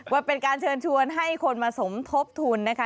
ว่าเป็นการเชิญชวนให้คนมาสมทบทุนนะคะ